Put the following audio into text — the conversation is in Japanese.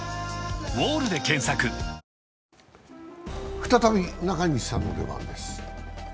再び中西さんの出番です。